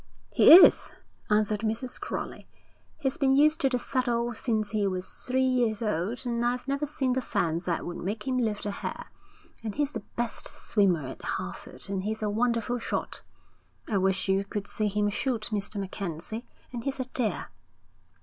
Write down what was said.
'He is,' answered Mrs. Crowley. 'He's been used to the saddle since he was three years old, and I've never seen the fence that would make him lift a hair. And he's the best swimmer at Harvard, and he's a wonderful shot I wish you could see him shoot, Mr. MacKenzie and he's a dear.'